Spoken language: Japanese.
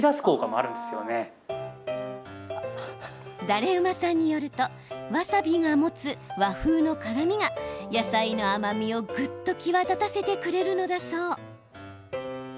だれウマさんによるとわさびが持つ和風の辛みが野菜の甘みをぐっと際立たせてくれるのだそう。